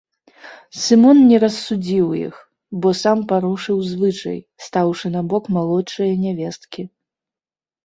Сымон не рассудзіў іх, бо сам парушыў звычай, стаўшы на бок малодшае нявесткі.